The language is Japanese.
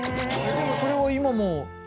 でもそれは今も。